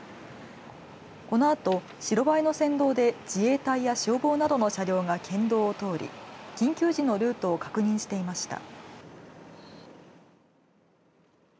このあと、白バイの先導で自衛隊や消防などの車両が県道を通り緊急時のルートを確認していました。